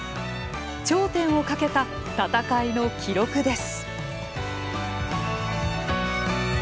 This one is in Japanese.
頂点をかけた戦いの記録です。